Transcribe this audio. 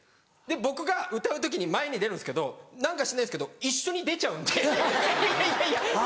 僕が歌う時に前に出るんですけど何か知らないですけど一緒に出ちゃうんで「いやいや」。